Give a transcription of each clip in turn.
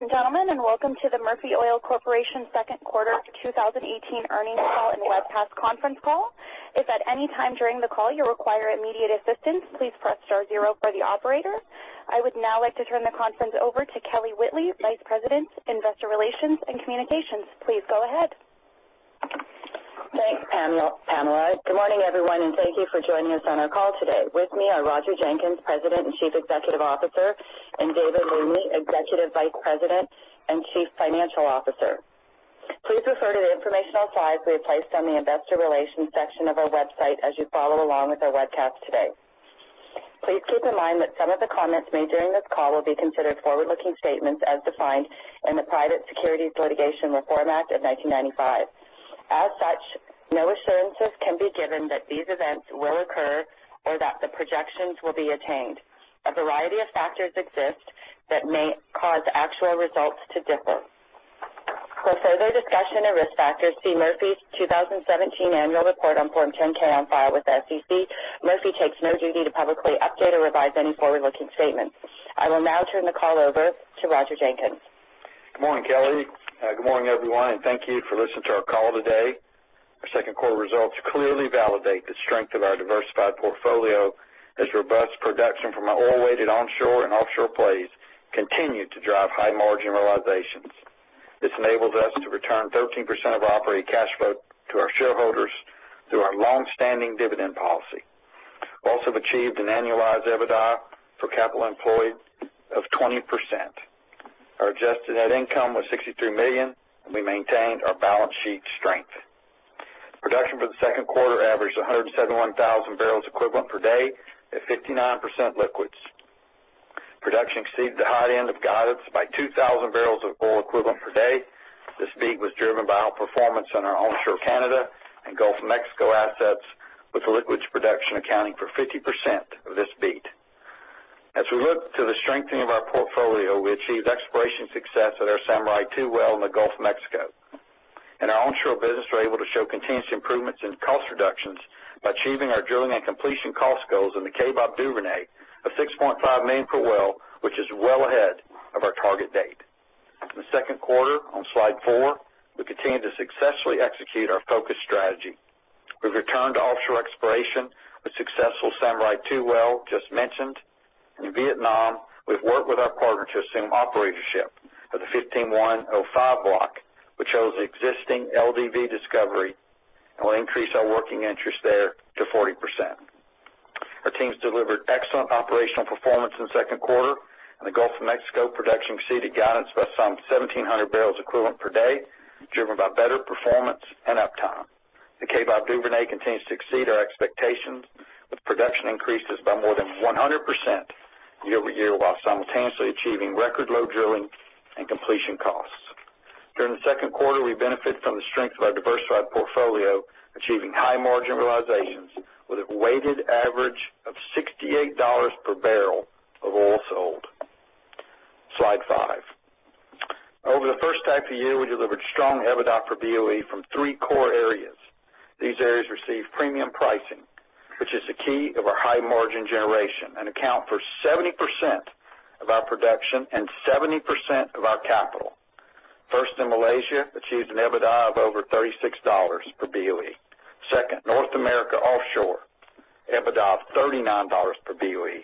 Good morning, gentlemen, welcome to the Murphy Oil Corporation second quarter 2018 earnings call and webcast conference call. If at any time during the call you require immediate assistance, please press star zero for the operator. I would now like to turn the conference over to Kelly Whitley, Vice President, Investor Relations and Communications. Please go ahead. Thanks, Pamela. Good morning, everyone, thank you for joining us on our call today. With me are Roger Jenkins, President and Chief Executive Officer, and David Looney, Executive Vice President and Chief Financial Officer. Please refer to the informational slides we have placed on the investor relations section of our website as you follow along with our webcast today. Please keep in mind that some of the comments made during this call will be considered forward-looking statements as defined in the Private Securities Litigation Reform Act of 1995. As such, no assurances can be given that these events will occur or that the projections will be attained. A variety of factors exist that may cause actual results to differ. For further discussion of risk factors, see Murphy's 2017 annual report on Form 10-K on file with the SEC. Murphy takes no duty to publicly update or revise any forward-looking statements. I will now turn the call over to Roger Jenkins. Good morning, Kelly. Good morning, everyone, thank you for listening to our call today. Our second quarter results clearly validate the strength of our diversified portfolio as robust production from our oil-weighted onshore and offshore plays continue to drive high margin realizations. This enables us to return 13% of operating cash flow to our shareholders through our long-standing dividend policy. We also have achieved an annualized EBITDA for capital employed of 20%. Our adjusted net income was $63 million, and we maintained our balance sheet strength. Production for the second quarter averaged 171,000 barrels equivalent per day at 59% liquids. Production exceeded the high end of guidance by 2,000 barrels of oil equivalent per day. This beat was driven by outperformance in our onshore Canada and Gulf of Mexico assets, with liquids production accounting for 50% of this beat. As we look to the strengthening of our portfolio, we achieved exploration success at our Samurai-2 well in the Gulf of Mexico. In our onshore business, we're able to show continuous improvements in cost reductions by achieving our drilling and completion cost goals in the Kaybob Duvernay of $6.5 million per well, which is well ahead of our target date. In the second quarter, on slide four, we continued to successfully execute our focus strategy. We've returned to offshore exploration with successful Samurai-2 well just mentioned. In Vietnam, we've worked with our partner to assume operatorship of the 15-105 block, which shows existing LDV discovery and will increase our working interest there to 40%. Our teams delivered excellent operational performance in the second quarter, and the Gulf of Mexico production exceeded guidance by some 1,700 barrels equivalent per day, driven by better performance and uptime. The Kaybob Duvernay continues to exceed our expectations, with production increases by more than 100% year-over-year, while simultaneously achieving record low drilling and completion costs. During the second quarter, we benefited from the strength of our diversified portfolio, achieving high margin realizations with a weighted average of $68 per barrel of oil sold. Slide five. Over the first half of the year, we delivered strong EBITDA for BOE from three core areas. These areas receive premium pricing, which is the key of our high margin generation and account for 70% of our production and 70% of our capital. First, in Malaysia, achieved an EBITDA of over $36 per BOE. Second, North America offshore, EBITDA of $39 per BOE.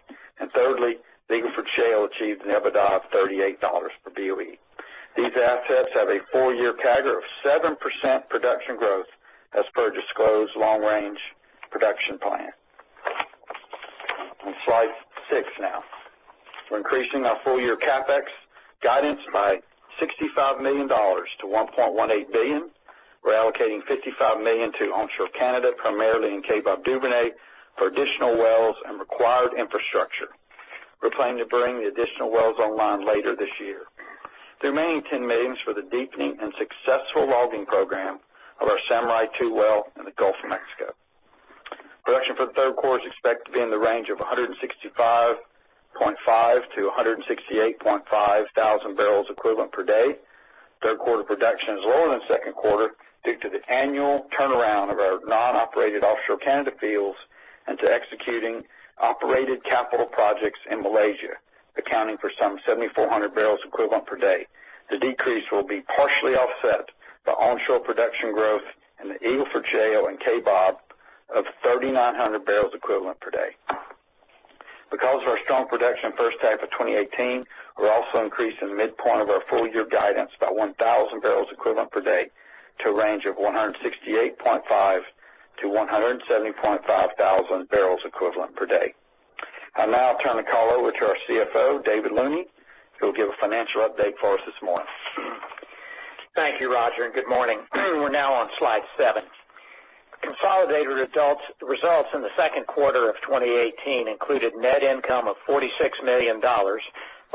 Thirdly, Eagle Ford Shale achieved an EBITDA of $38 per BOE. These assets have a four-year CAGR of 7% production growth as per disclosed long-range production plan. On slide six now. We're increasing our full year CapEx guidance by $65 million to $1.18 billion. We're allocating $55 million to onshore Canada, primarily in Kaybob Duvernay, for additional wells and required infrastructure. We plan to bring the additional wells online later this year. The remaining $10 million for the deepening and successful logging program of our Samurai-2 well in the Gulf of Mexico. Production for the third quarter is expected to be in the range of 165.5 thousand-168.5 thousand barrels equivalent per day. Third quarter production is lower than second quarter due to the annual turnaround of our non-operated offshore Canada fields and to executing operated capital projects in Malaysia, accounting for some 7,400 barrels equivalent per day. The decrease will be partially offset by onshore production growth in the Eagle Ford Shale and Kaybob of 3,900 barrels equivalent per day. Because of our strong production first half of 2018, we're also increasing the midpoint of our full year guidance by 1,000 barrels equivalent per day to a range of 168.5 thousand-170.5 thousand barrels equivalent per day. I'll now turn the call over to our CFO, David Looney, who will give a financial update for us this morning. Thank you, Roger, and good morning. We're now on slide seven. Consolidated results in the second quarter of 2018 included net income of $46 million, or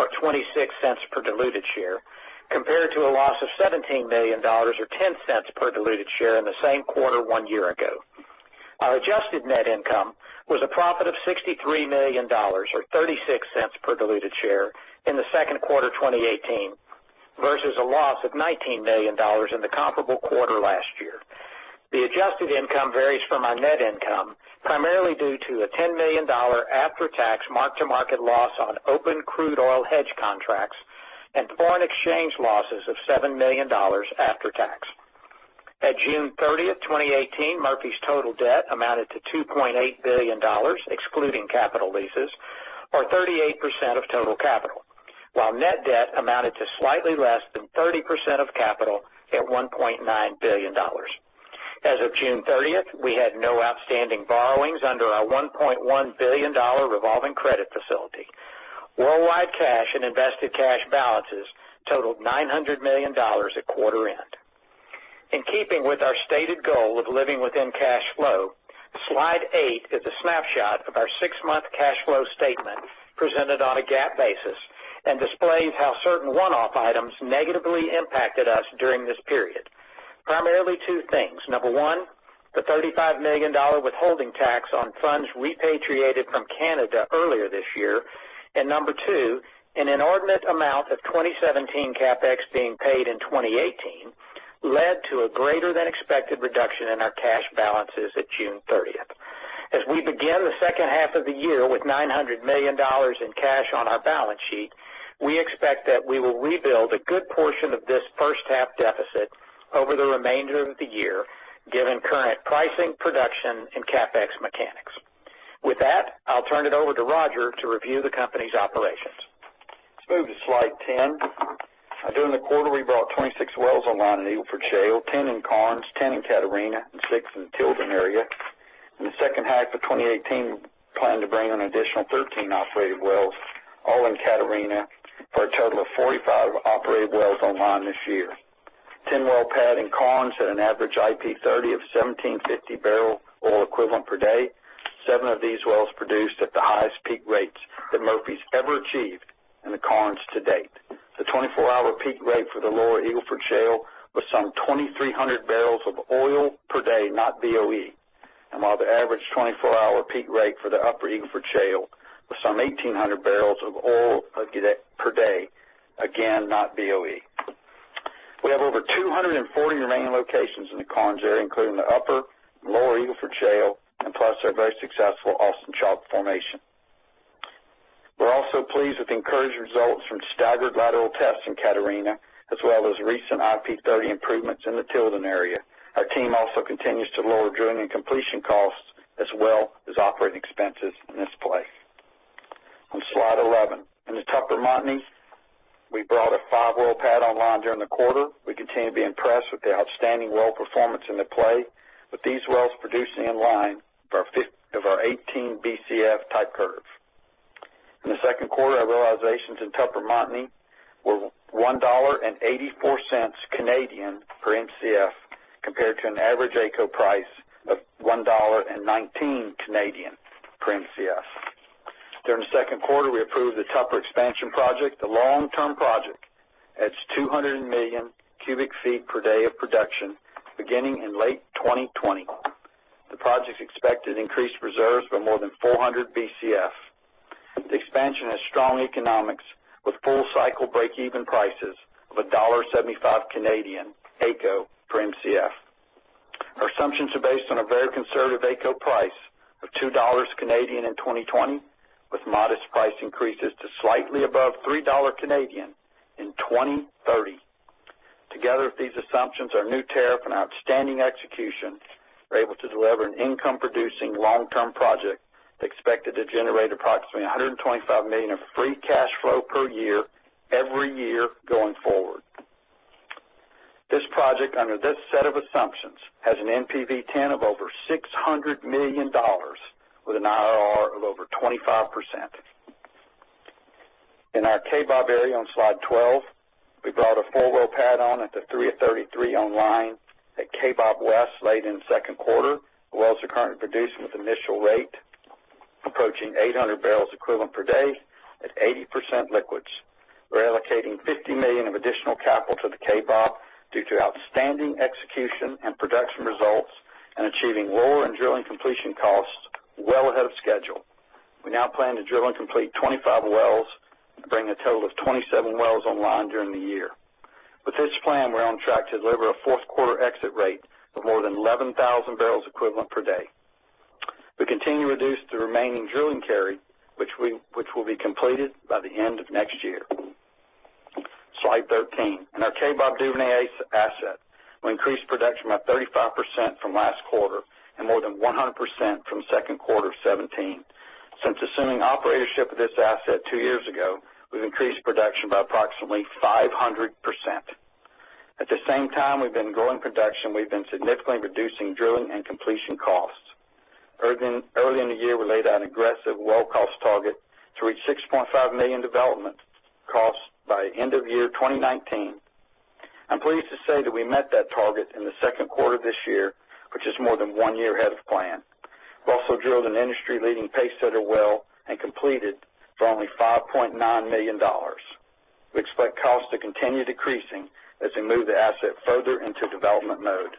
$0.26 per diluted share, compared to a loss of $17 million, or $0.10 per diluted share in the same quarter one year ago. Our adjusted net income was a profit of $63 million, or $0.36 per diluted share in the second quarter 2018 versus a loss of $19 million in the comparable quarter last year. The adjusted income varies from our net income, primarily due to a $10 million after-tax mark-to-market loss on open crude oil hedge contracts and foreign exchange losses of $7 million after tax. At June 30th, 2018, Murphy's total debt amounted to $2.8 billion, excluding capital leases, or 38% of total capital, while net debt amounted to slightly less than 30% of capital at $1.9 billion. As of June 30th, we had no outstanding borrowings under our $1.1 billion revolving credit facility. Worldwide cash and invested cash balances totaled $900 million at quarter end. In keeping with our stated goal of living within cash flow, slide eight is a snapshot of our six-month cash flow statement presented on a GAAP basis and displays how certain one-off items negatively impacted us during this period. Primarily two things. Number one, the $35 million withholding tax on funds repatriated from Canada earlier this year. Number two, an inordinate amount of 2017 CapEx being paid in 2018 led to a greater than expected reduction in our cash balances at June 30th. As we begin the second half of the year with $900 million in cash on our balance sheet, we expect that we will rebuild a good portion of this first half deficit over the remainder of the year, given current pricing, production, and CapEx mechanics. With that, I'll turn it over to Roger to review the company's operations. Let's move to slide 10. During the quarter, we brought 26 wells online in the Eagle Ford Shale, 10 in Karnes, 10 in Catarina, and six in the Tilden area. In the second half of 2018, we plan to bring an additional 13 operated wells, all in Catarina, for a total of 45 operated wells online this year. 10-well pad in Karnes at an average IP 30 of 1,750 barrel oil equivalent per day. Seven of these wells produced at the highest peak rates that Murphy's ever achieved in the Karnes to date. The 24-hour peak rate for the Lower Eagle Ford Shale was some 2,300 barrels of oil per day, not BOE. While the average 24-hour peak rate for the Upper Eagle Ford Shale was some 1,800 barrels of oil per day, again, not BOE. We have over 240 remaining locations in the Karnes area, including the Upper and Lower Eagle Ford Shale, plus our very successful Austin Chalk formation. We're also pleased with the encouraged results from staggered lateral tests in Catarina, as well as recent IP 30 improvements in the Tilden area. Our team also continues to lower drilling and completion costs, as well as operating expenses in this play. On slide 11. In the Tupper-Montney, we brought a five-well pad online during the quarter. We continue to be impressed with the outstanding well performance in the play, with these wells producing in line of our 18 Bcf type curve. In the second quarter, our realizations in Tupper-Montney were 1.84 Canadian dollars per Mcf, compared to an average AECO price of 1.19 Canadian dollars per Mcf. During the second quarter, we approved the Tupper expansion project, a long-term project at 200 million cubic feet per day of production, beginning in late 2020. The project is expected to increase reserves by more than 400 Bcf. The expansion has strong economics, with full-cycle break-even prices of 1.75 Canadian dollars AECO per Mcf. Our assumptions are based on a very conservative AECO price of 2 Canadian dollars in 2020, with modest price increases to slightly above 3 Canadian dollars in 2030. Together, if these assumptions, our new tariff, and outstanding execution are able to deliver an income-producing long-term project expected to generate approximately $125 million of free cash flow per year every year going forward. This project, under this set of assumptions, has an NPV10 of over $600 million with an IRR of over 25%. In our Kaybob area on slide 12, we brought a four-well pad on at the 03-33 online at Kaybob West late in the second quarter. The wells are currently producing with initial rate approaching 800 barrels equivalent per day at 80% liquids. We're allocating $50 million of additional capital to the Kaybob due to outstanding execution and production results and achieving lower end drilling completion costs well ahead of schedule. We now plan to drill and complete 25 wells and bring a total of 27 wells online during the year. With this plan, we're on track to deliver a fourth-quarter exit rate of more than 11,000 barrels equivalent per day. We continue to reduce the remaining drilling carry, which will be completed by the end of next year. Slide 13. In our Kaybob Duvernay asset, we increased production by 35% from last quarter and more than 100% from second quarter of 2017. Since assuming operatorship of this asset two years ago, we've increased production by approximately 500%. At the same time we've been growing production, we've been significantly reducing drilling and completion costs. Early in the year, we laid out an aggressive well cost target to reach $6.5 million development costs by end of year 2019. I'm pleased to say that we met that target in the second quarter this year, which is more than one year ahead of plan. We also drilled an industry-leading pace setter well and completed for only $5.9 million. We expect costs to continue decreasing as we move the asset further into development mode.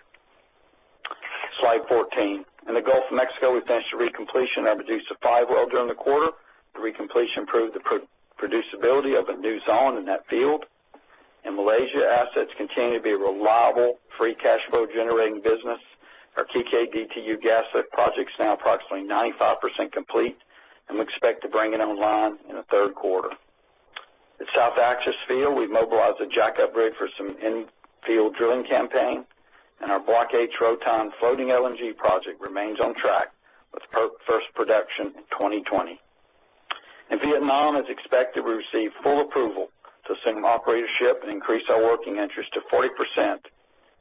Slide 14. In the Gulf of Mexico, we finished a recompletion of a Juliet-5 well during the quarter. The recompletion improved the producibility of a new zone in that field. In Malaysia, assets continue to be a reliable, free cash flow generating business. Our [inaudible] Gas project is now approximately 95% complete, and we expect to bring it online in the third quarter. At South Acis Field, we've mobilized a jackup rig for some in-field drilling campaign, and our Block H Rotan floating LNG project remains on track with first production in 2020. In Vietnam, it's expected we receive full approval to assume operatorship and increase our working interest to 40%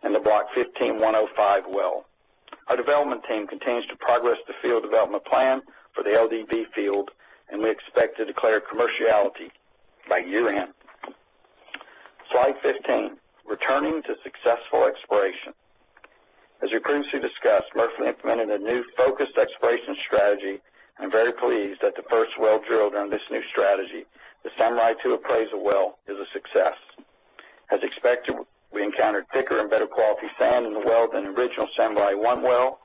in the Block 15-105 well. Our development team continues to progress the field development plan for the LDV field, and we expect to declare commerciality by year-end. Slide 15. Returning to successful exploration. As we previously discussed, Murphy implemented a new focused exploration strategy. I'm very pleased that the first well drilled on this new strategy, the Samurai-2 appraisal well, is a success. As expected, we encountered thicker and better quality sand in the well than the original Samurai-1 well.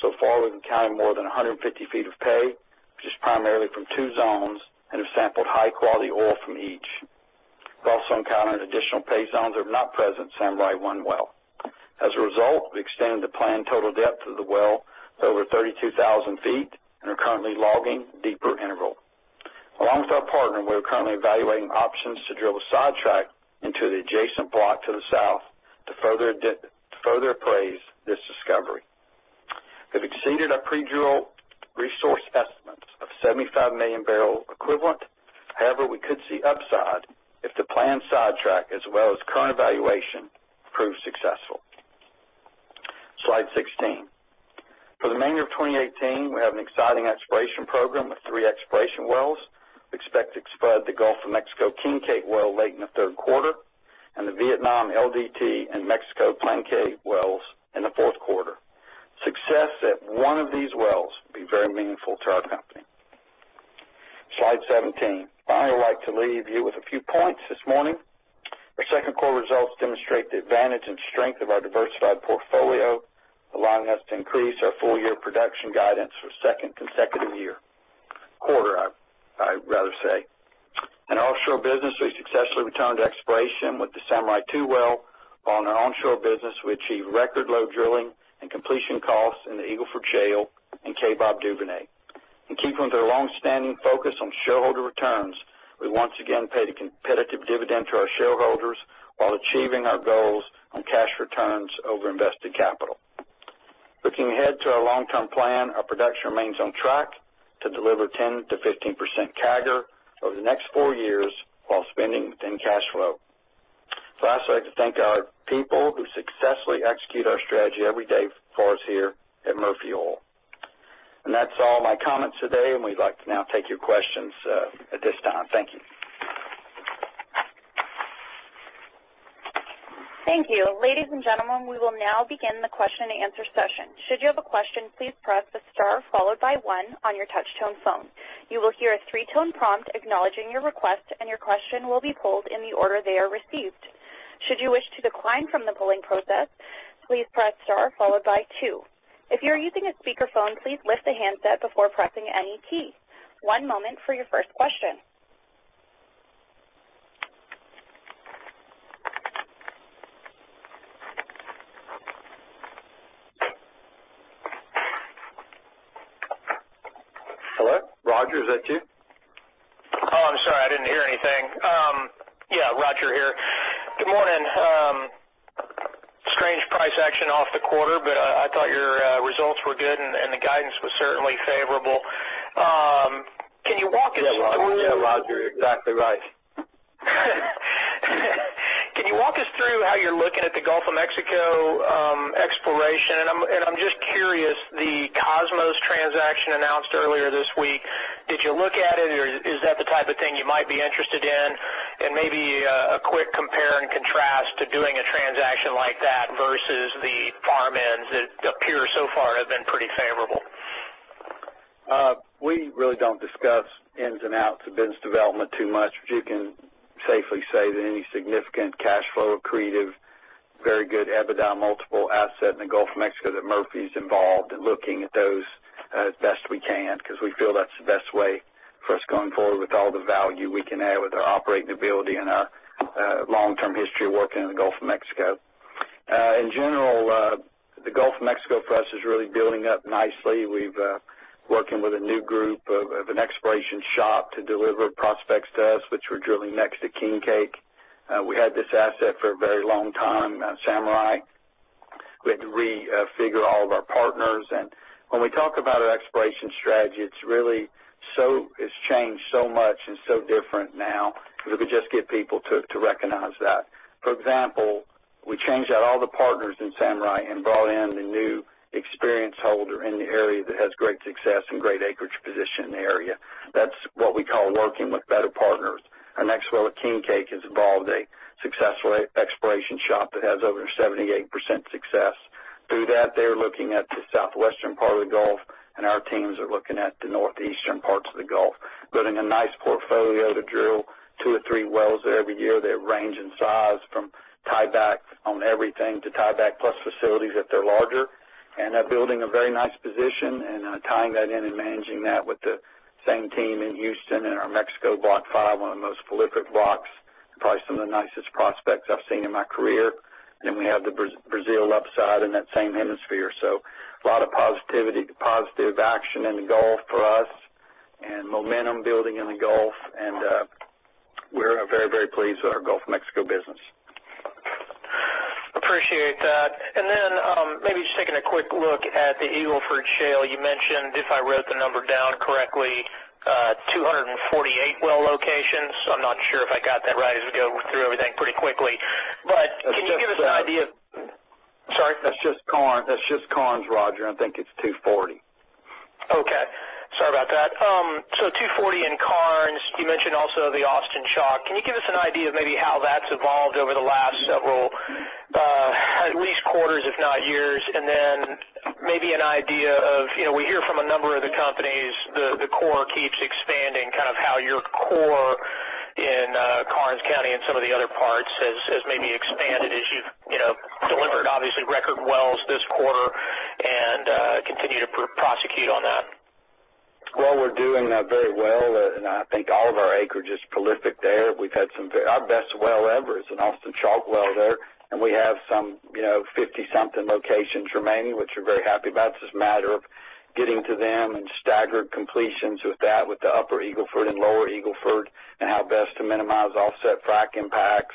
So far, we've encountered more than 150 feet of pay, which is primarily from two zones and have sampled high-quality oil from each. We've also encountered additional pay zones that were not present in Samurai-1 well. As a result, we extended the planned total depth of the well to over 32,000 feet and are currently logging deeper interval. Along with our partner, we are currently evaluating options to drill a sidetrack into the adjacent block to the south to further appraise this discovery. We have exceeded our pre-drill resource estimates of 75 million barrel equivalent. However, we could see upside if the planned sidetrack, as well as current evaluation, proves successful. Slide 16. For the remainder of 2018, we have an exciting exploration program with three exploration wells. We expect to spud the Gulf of Mexico King Cake well late in the third quarter and the Vietnam LDT and Mexico Block K wells in the fourth quarter. Success at one of these wells will be very meaningful to our company. Slide 17. Finally, I would like to leave you with a few points this morning. Our second quarter results demonstrate the advantage and strength of our diversified portfolio, allowing us to increase our full year production guidance for second consecutive year. Quarter, I'd rather say. In our offshore business, we successfully returned to exploration with the Samurai-2 well. While in our onshore business, we achieved record low drilling and completion costs in the Eagle Ford Shale and Kaybob Duvernay. In keeping with our long-standing focus on shareholder returns, we once again paid a competitive dividend to our shareholders while achieving our goals on cash returns over invested capital. Looking ahead to our long-term plan, our production remains on track to deliver 10%-15% CAGR over the next four years while spending within cash flow. Lastly, I'd like to thank our people who successfully execute our strategy every day for us here at Murphy Oil. That's all my comments today, and we'd like to now take your questions at this time. Thank you. Thank you. Ladies and gentlemen, we will now begin the question and answer session. Should you have a question, please press the star followed by one on your touch tone phone. You will hear a three-tone prompt acknowledging your request, and your question will be pulled in the order they are received. Should you wish to decline from the pulling process, please press star followed by two. If you're using a speakerphone, please lift the handset before pressing any key. One moment for your first question. Hello? Roger, is that you? I'm sorry, I didn't hear anything. Yeah, Roger here. Good morning. Strange price action off the quarter, but I thought your results were good, and the guidance was certainly favorable. Can you walk us through? Yeah, Roger. You're exactly right. Can you walk us through how you're looking at the Gulf of Mexico exploration? I'm just curious, the Kosmos transaction announced earlier this week, did you look at it, or is that the type of thing you might be interested in? Maybe a quick compare and contrast to doing a transaction like that versus the farm-ins that appear so far have been pretty favorable. We really don't discuss ins and outs of business development too much, you can safely say that any significant cash flow accretive, very good EBITDA multiple asset in the Gulf of Mexico that Murphy's involved in looking at those as best we can because we feel that's the best way for us going forward with all the value we can add with our operating ability and our long-term history working in the Gulf of Mexico. In general, the Gulf of Mexico for us is really building up nicely. We're working with a new group of an exploration shop to deliver prospects to us, which we're drilling next to King Cake. We had this asset for a very long time, Samurai. We had to refigure all of our partners. When we talk about our exploration strategy, it's changed so much and so different now that we just get people to recognize that. For example, we changed out all the partners in Samurai and brought in the new experience holder in the area that has great success and great acreage position in the area. That's what we call working with better partners. Our next well at King Cake has involved a successful exploration shop that has over 78% success. Through that, they're looking at the southwestern part of the Gulf, and our teams are looking at the northeastern parts of the Gulf. Building a nice portfolio to drill two or three wells there every year. They range in size from tieback on everything to tieback plus facilities if they're larger. They're building a very nice position and tying that in and managing that with the same team in Houston and our Mexico Block 5, one of the most prolific blocks, probably some of the nicest prospects I've seen in my career. We have the Brazil upside in that same hemisphere. A lot of positivity, positive action in the Gulf for us and momentum building in the Gulf, and we're very pleased with our Gulf of Mexico business. Appreciate that. Maybe just taking a quick look at the Eagle Ford Shale. You mentioned, if I wrote the number down correctly, 248 well locations. I'm not sure if I got that right as we go through everything pretty quickly. Can you give us an idea Sorry? That's just Karnes, Roger. I think it's 240. Okay. Sorry about that. 240 in Karnes. You mentioned also the Austin Chalk. Can you give us an idea of maybe how that's evolved over the last several, at least quarters, if not years? Maybe an idea of, we hear from a number of the companies, the core keeps expanding, how your core in Karnes County and some of the other parts has maybe expanded as you've delivered obviously record wells this quarter and continue to prosecute on that. We're doing very well. I think all of our acreage is prolific there. Our best well ever is an Austin Chalk well there, and we have some 50 something locations remaining, which we're very happy about. It's just a matter of getting to them and staggered completions with that, with the Upper Eagle Ford and Lower Eagle Ford, and how best to minimize offset frack impacts,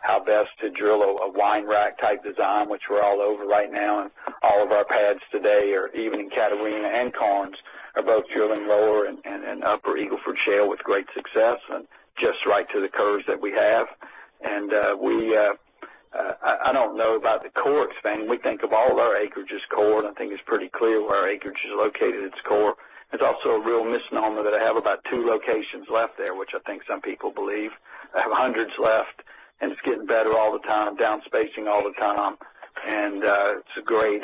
how best to drill a wine rack type design, which we're all over right now. All of our pads today are, even in Catarina and Karnes, are both drilling lower and Upper Eagle Ford Shale with great success and just right to the curves that we have. I don't know about the core expanding. We think of all our acreage as core, and I think it's pretty clear where our acreage is located, it's core. It's also a real misnomer that I have about two locations left there, which I think some people believe. I have hundreds left, and it's getting better all the time, down spacing all the time, and it's a great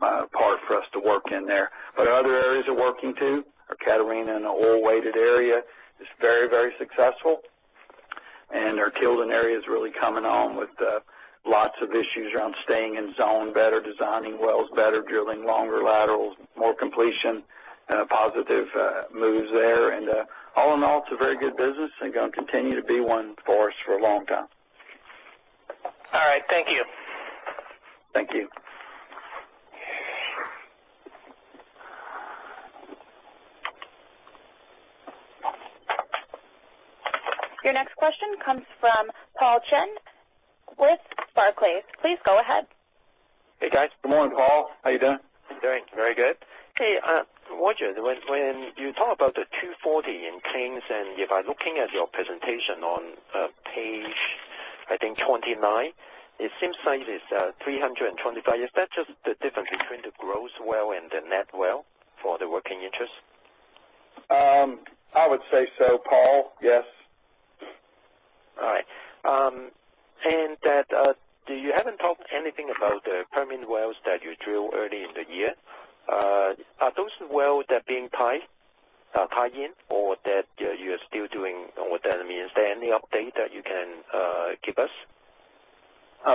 part for us to work in there. Other areas are working, too. Our Catarina and the oil-weighted area is very successful. Our Kaybob Duvernay area is really coming on with lots of issues around staying in zone better, designing wells better, drilling longer laterals, more completion, and positive moves there. All in all, it's a very good business and going to continue to be one for us for a long time. All right. Thank you. Thank you. Your next question comes from Paul Cheng with Barclays. Please go ahead. Hey, guys. Good morning, Paul. How you doing? Doing very good. Hey, Roger, when you talk about the 240 in claims, if I'm looking at your presentation on page 29, it seems like it's 325. Is that just the difference between the gross well and the net well for the working interest? I would say so, Paul. Yes. All right. That, you haven't talked anything about the Permian wells that you drilled early in the year. Are those wells that being tied in, or that you are still doing what that means? Is there any update that you can give us?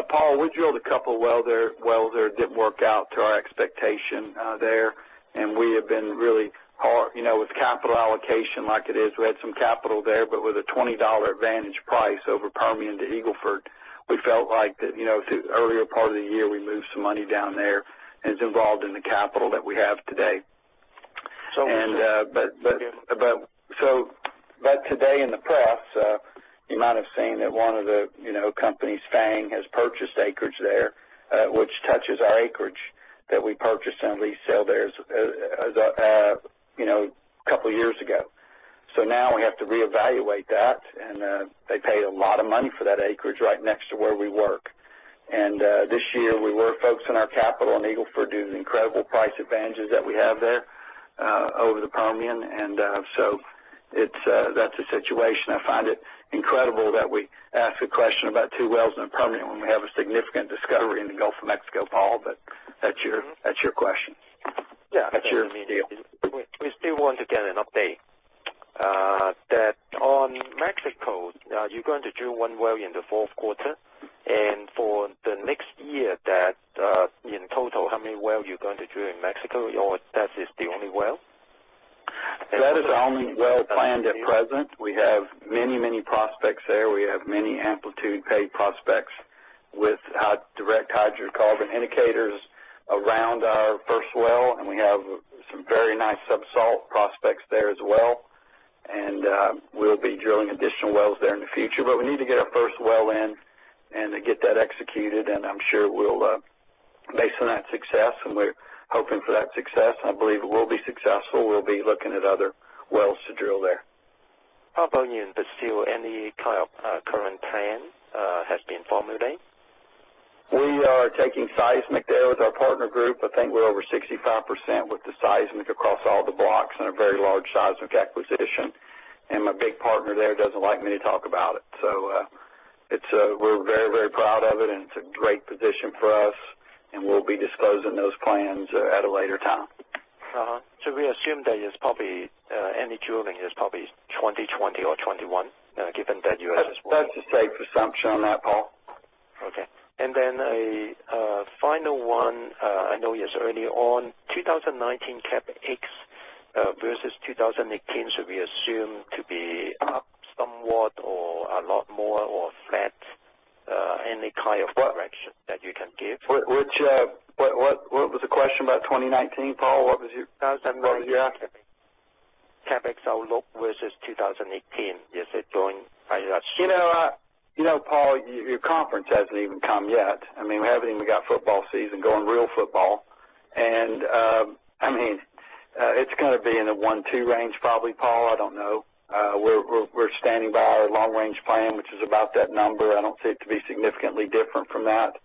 Paul, we drilled 2 wells there that worked out to our expectation there, and we have been really hard. With capital allocation like it is, we had some capital there, but with a $20 advantage price over Permian to Eagle Ford, we felt like that, through earlier part of the year, we moved some money down there, and it's involved in the capital that we have today. Today in the press, you might have seen that one of the companies, FANG, has purchased acreage there, which touches our acreage that we purchased and lease sale there as 2 years ago. Now we have to reevaluate that, and they paid a lot of money for that acreage right next to where we work. This year, we were focusing our capital on Eagle Ford due to the incredible price advantages that we have there over the Permian. That's the situation. I find it incredible that we ask a question about 2 wells in Permian when we have a significant discovery in the Gulf of Mexico, Paul, but that's your question. Yeah. That's your deal. We still want to get an update on Mexico. You're going to drill one well in the fourth quarter, and for the next year, in total, how many well you're going to drill in Mexico, or that is the only well? That is the only well planned at present. We have many prospects there. We have many amplitude-aided prospects with direct hydrocarbon indicators around our first well, and we have some very nice subsalt prospects there as well. We'll be drilling additional wells there in the future, but we need to get our first well in and to get that executed. I'm sure we'll base on that success. We're hoping for that success, and I believe it will be successful. We'll be looking at other wells to drill there. How about you in Brazil? Any current plan has been formulated? We are taking seismic there with our partner group. I think we're over 65% with the seismic across all the blocks and a very large seismic acquisition. My big partner there doesn't like me to talk about it. We're very proud of it. It's a great position for us, and we'll be disclosing those plans at a later time. We assume that any drilling is probably 2020 or 2021, given that you guys- That's a safe assumption on that, Paul. Okay. A final one, I know it's early on. 2019 CapEx versus 2018, should we assume to be up somewhat or a lot more or flat? Any kind of direction that you can give? What was the question about 2019, Paul? What was your- 2019 CapEx outlook versus 2018. Is it going by last year? You know, Paul, your conference hasn't even come yet. We haven't even got football season going, real football. It's going to be in the one, two range probably, Paul, I don't know. We're standing by our long-range plan, which is about that number. I don't see it to be significantly different from that.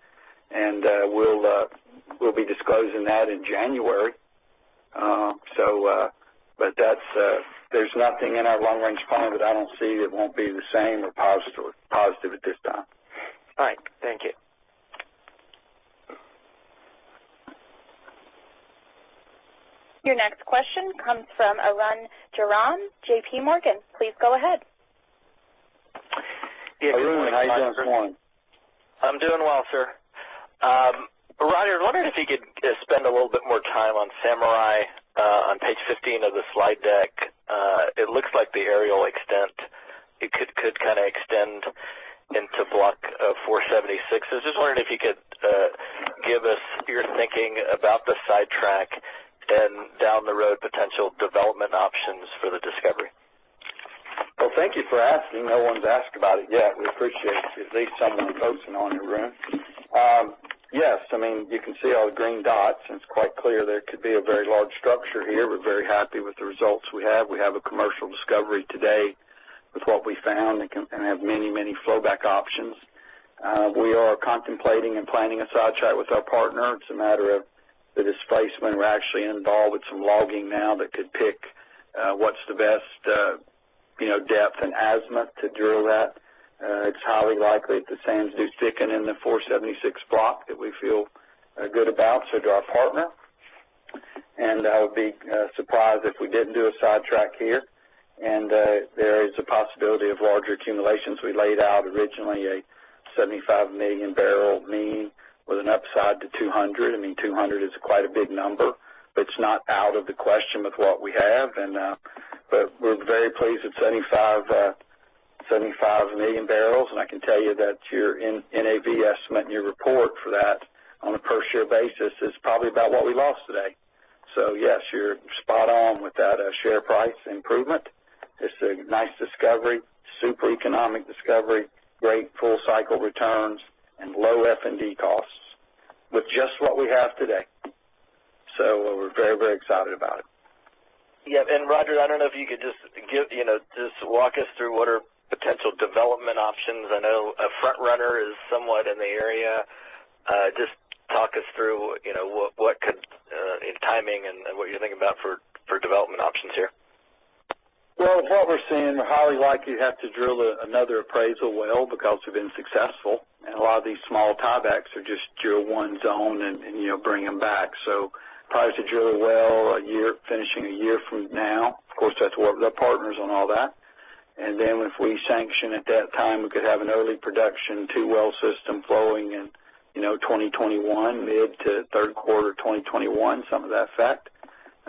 We'll be disclosing that in January. There's nothing in our long-range plan that I don't see that won't be the same or positive at this time. All right. Thank you. Your next question comes from Arun Jayaram, J.P. Morgan. Please go ahead. Arun, how are you doing this morning? I'm doing well, sir. Roger, I'm wondering if you could spend a little bit more time on Samurai, on page 15 of the slide deck. It looks like the areal extent could extend into block 476. I was just wondering if you could give us your thinking about the sidetrack and down the road potential development options for the discovery. Well, thank you for asking. No one's asked about it yet. We appreciate at least someone focusing on it, Arun. Yes, you can see all the green dots, and it's quite clear there could be a very large structure here. We're very happy with the results we have. We have a commercial discovery today with what we found, and have many flowback options. We are contemplating and planning a sidetrack with our partner. It's a matter of the displacement. We're actually involved with some logging now that could pick what's the best depth and azimuth to drill that. It's highly likely that the sands do thicken in the 476 block that we feel good about, so do our partner. I would be surprised if we didn't do a sidetrack here. There is a possibility of larger accumulations. We laid out originally a 75 million barrel mean with an upside to 200. 200 is quite a big number, it's not out of the question with what we have. We're very pleased with 75 million barrels. I can tell you that your NAV estimate in your report for that on a per share basis is probably about what we lost today. Yes, you're spot on with that share price improvement. It's a nice discovery, super economic discovery, great full-cycle returns, and low F&D costs with just what we have today. We're very excited about it. Yeah. Roger, I don't know if you could just walk us through what are potential development options. I know a Front Runner is somewhat in the area. Talk us through, what could, in timing, and what you're thinking about for development options here. Well, what we're seeing, we're highly likely to have to drill another appraisal well because we've been successful, and a lot of these small tiebacks are just drill one zone and bring them back. Probably have to drill a well, finishing a year from now. Of course, we'll have to work with our partners on all that. Then if we sanction at that time, we could have an early production two-well system flowing in 2021, mid to third quarter 2021, something to that effect.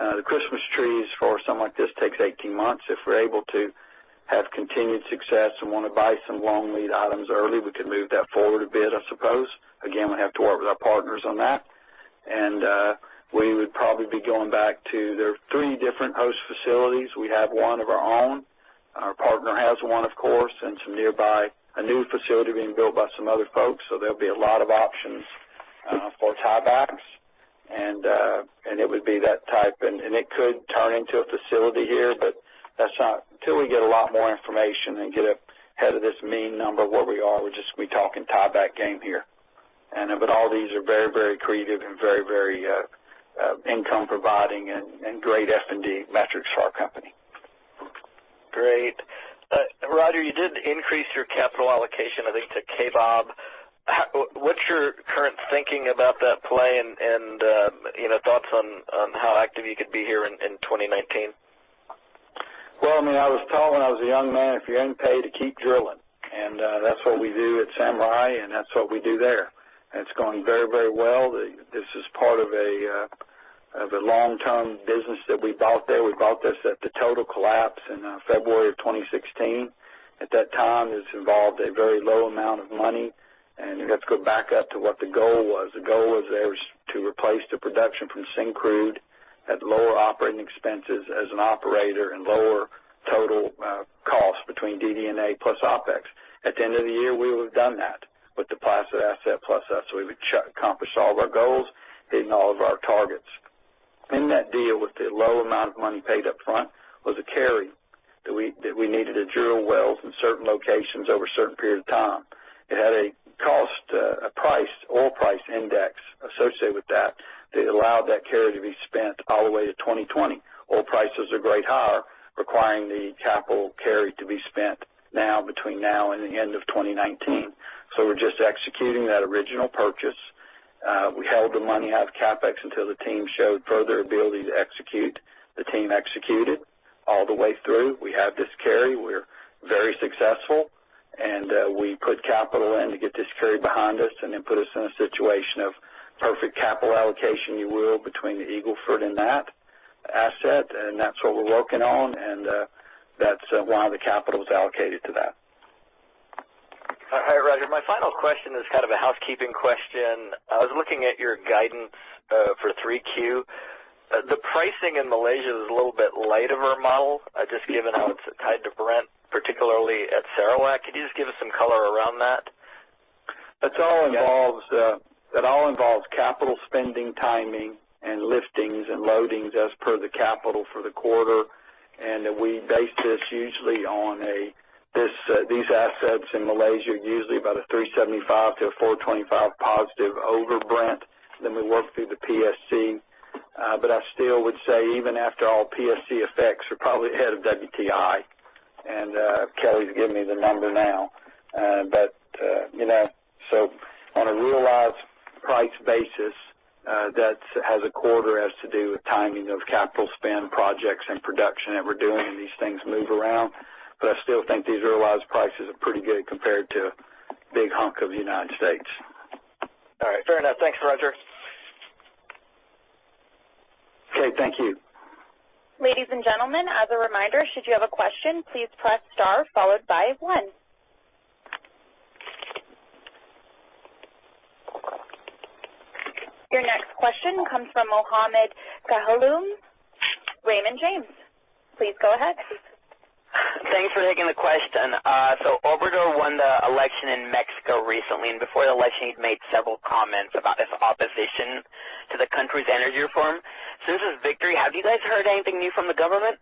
The Christmas trees for something like this takes 18 months. If we're able to have continued success and want to buy some long lead items early, we could move that forward a bit, I suppose. Again, we have to work with our partners on that. We would probably be going back to There are three different host facilities. We have one of our own. Our partner has one, of course, and some nearby. A new facility being built by some other folks, there'll be a lot of options for tiebacks. It would be that type, and it could turn into a facility here, until we get a lot more information and get ahead of this mean number where we are, we're just talking tieback game here. All these are very creative and very income providing and great F&D metrics for our company. Great. Roger, you did increase your capital allocation, I think, to Kaybob. What's your current thinking about that play, and thoughts on how active you could be here in 2019? Well, I was told when I was a young man, if you're getting paid, to keep drilling. That's what we do at Samurai, and that's what we do there. It's going very well. This is part of a long-term business that we bought there. We bought this at the total collapse in February of 2016. At that time, this involved a very low amount of money, and you have to go back up to what the goal was. The goal was there was to replace the production from Syncrude at lower operating expenses as an operator and lower total cost between DD&A plus OpEx. At the end of the year, we will have done that with the Placid asset plus us. We accomplished all of our goals, hitting all of our targets. In that deal, with the low amount of money paid up front, was a carry that we needed to drill wells in certain locations over a certain period of time. It had a cost, a price, oil price index associated with that allowed that carry to be spent all the way to 2020. Oil prices are great higher, requiring the capital carry to be spent between now and the end of 2019. We're just executing that original purchase We held the money out of CapEx until the team showed further ability to execute. The team executed all the way through. We have this carry, we're very successful, we put capital in to get this carry behind us, and then put us in a situation of perfect capital allocation, if you will, between the Eagle Ford and that asset, and that's what we're working on. That's why the capital is allocated to that. Hi, Roger. My final question is kind of a housekeeping question. I was looking at your guidance for three Q. The pricing in Malaysia is a little bit light of our model, just given how it's tied to Brent, particularly at Sarawak. Could you just give us some color around that? That all involves capital spending, timing, and liftings and loadings as per the capital for the quarter. We base this usually on these assets in Malaysia, usually about 375 to 425 positive over Brent. We work through the PSC. I still would say, even after all PSC effects, we're probably ahead of WTI. Kelly's giving me the number now. On a realized price basis, that as a quarter has to do with timing of capital spend projects and production that we're doing, and these things move around. I still think these realized prices are pretty good compared to a big hunk of the United States. All right. Fair enough. Thanks, Roger. Okay, thank you. Ladies and gentlemen, as a reminder, should you have a question, please press star followed by one. Your next question comes from Mohammed Ghulam, Raymond James. Please go ahead. Thanks for taking the question. Obrador won the election in Mexico recently, and before the election, he'd made several comments about his opposition to the country's energy reform. Since his victory, have you guys heard anything new from the government?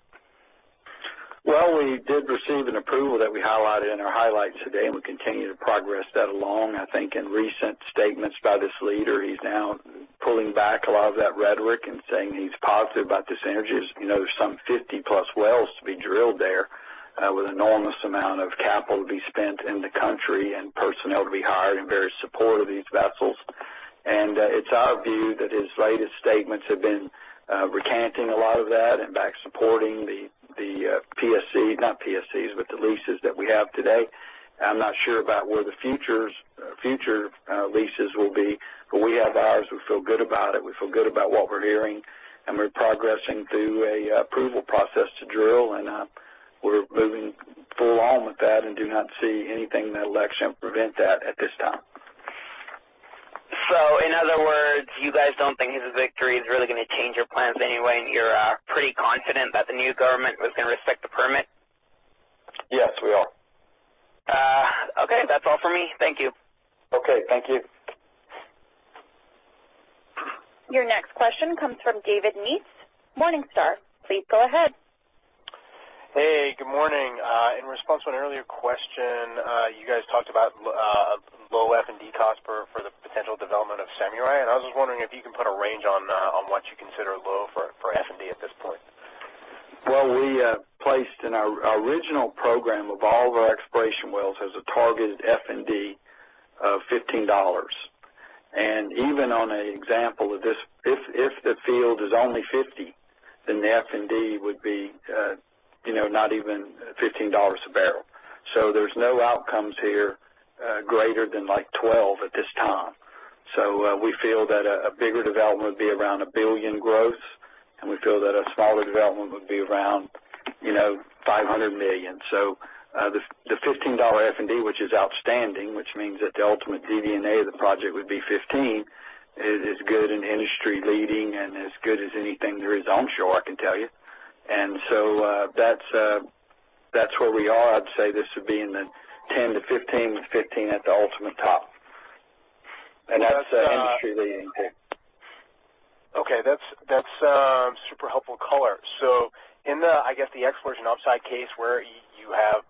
Well, we did receive an approval that we highlighted in our highlights today, and we continue to progress that along. I think in recent statements by this leader, he's now pulling back a lot of that rhetoric and saying he's positive about these energies. There's some 50-plus wells to be drilled there with enormous amount of capital to be spent in the country and personnel to be hired in various support of these vessels. It's our view that his latest statements have been recanting a lot of that and back supporting the leases that we have today. I'm not sure about where the future leases will be, but we have ours. We feel good about it. We feel good about what we're hearing, and we're progressing through an approval process to drill, and we're moving full on with that and do not see anything in that election prevent that at this time. In other words, you guys don't think his victory is really going to change your plans anyway, and you're pretty confident that the new government is going to respect the permit? Yes, we are. Okay. That's all for me. Thank you. Okay. Thank you. Your next question comes from David Meats, Morningstar. Please go ahead. Hey, good morning. In response to an earlier question, you guys talked about low F&D costs for the potential development of Samurai, I was just wondering if you can put a range on what you consider low for F&D at this point. Well, we placed in our original program of all of our exploration wells as a targeted F&D of $15. Even on an example of this, if the field is only $50, the F&D would be not even $15 a barrel. There's no outcomes here greater than $12 at this time. We feel that a bigger development would be around $1 billion growth, we feel that a smaller development would be around $500 million. The $15 F&D, which is outstanding, which means that the ultimate DD&A of the project would be $15, is good and industry-leading and as good as anything there is onshore, I can tell you. That's where we are. I'd say this would be in the $10-$15, with $15 at the ultimate top. That's industry-leading too. Okay. That's super helpful color. In the, I guess, the exploration upside case where you have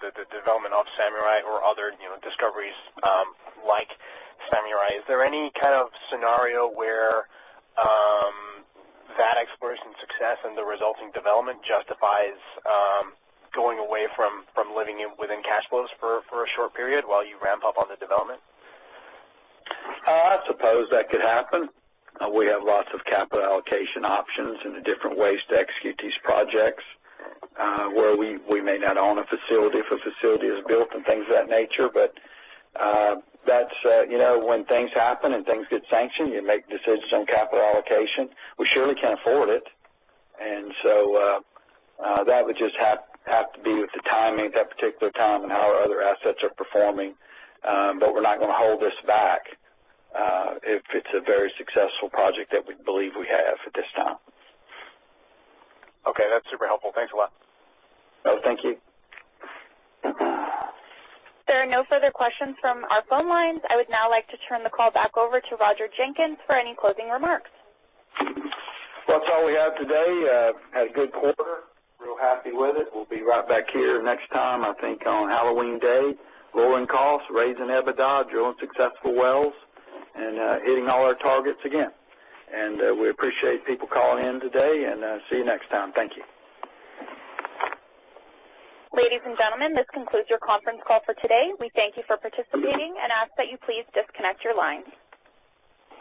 the development of Samurai or other discoveries like Samurai, is there any kind of scenario where that exploration success and the resulting development justifies going away from living within cash flows for a short period while you ramp up on the development? I suppose that could happen. We have lots of capital allocation options and the different ways to execute these projects, where we may not own a facility if a facility is built and things of that nature. When things happen and things get sanctioned, you make decisions on capital allocation. We surely can afford it, that would just have to be with the timing at that particular time and how our other assets are performing. We're not going to hold this back if it's a very successful project that we believe we have at this time. Okay. That's super helpful. Thanks a lot. Thank you. There are no further questions from our phone lines. I would now like to turn the call back over to Roger Jenkins for any closing remarks. That's all we have today. Had a good quarter. Real happy with it. We'll be right back here next time, I think on Halloween day. Lowering costs, raising EBITDA, drilling successful wells, and hitting all our targets again. We appreciate people calling in today, and see you next time. Thank you. Ladies and gentlemen, this concludes your conference call for today. We thank you for participating and ask that you please disconnect your lines.